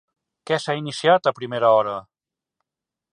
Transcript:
Què s'ha iniciat a primera hora?